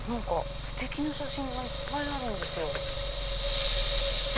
ステキな写真がいっぱいあるんですよ。